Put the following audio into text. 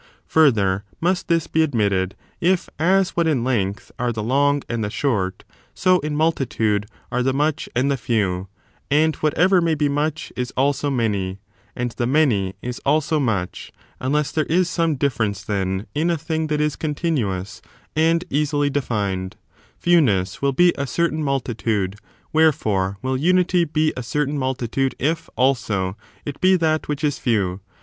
Further, must this be admitted, if as what in length are the long and the short, so in multi tude are the much and the few; and whateyer may be much is also many, and the many is also much : unless there is some difference, then, in a thing that is continuous and easily defined, fewness will be a certain multitude. Wherefore, will unity be a certain multitude if, also, it be that which is few.